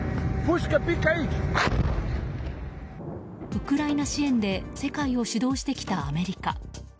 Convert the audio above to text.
ウクライナ支援で世界を主導してきたアメリカ。